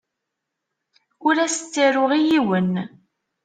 Ur as-ttaruɣ i yiwen.